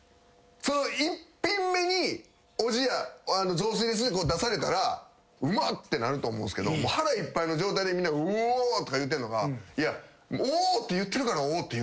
１品目に「雑炊です」って出されたらうま！ってなると思うんすけど腹いっぱいの状態でみんなが「うお」とか言うてんのが「お」って言ってるから「お」って言ってるやん。